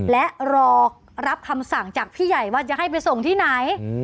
และรอรับคำสั่งจากพี่ใหญ่ว่าจะให้ไปส่งที่ไหน